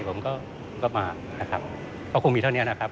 ผมก็มานะครับก็คงมีเท่านี้นะครับ